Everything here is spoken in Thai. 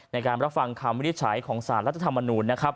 ในการรับฟังคำวินิจฉัยของสารรัฐธรรมนูญนะครับ